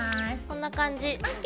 こんな感じ。